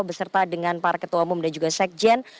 beserta dengan para ketua umum dan juga sekjen